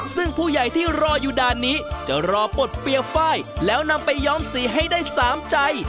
ซึ่งผู้ใหญ่ที่รออยู่ด่านนี้จะรอบดเปียไฟล์แล้วนำไปย้อมสีให้ได้๓ใจ